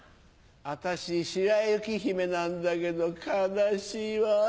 私白雪姫なんだけど悲しいわ。